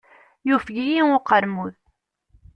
Yufeg-iyi uqermud.